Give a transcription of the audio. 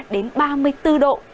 ba mươi ba đến ba mươi bốn độ